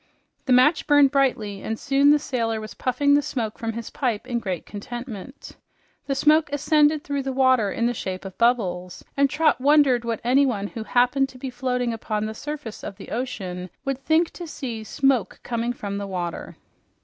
The match burned brightly, and soon the sailor was puffing the smoke from his pipe in great contentment. The smoke ascended through the water in the shape of bubbles, and Trot wondered what anyone who happened to be floating upon the surface of the ocean would think to see smoke coming from the water.